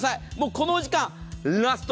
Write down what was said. この時間、ラスト。